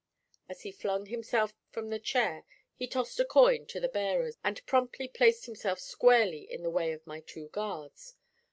As he flung himself from the chair he tossed a coin to the bearers, and promptly placed himself squarely in the way of my two guards.